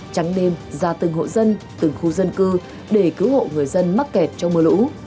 trắng đêm ra từng hộ dân từng khu dân cư để cứu hộ người dân mắc kẹt trong mưa lũ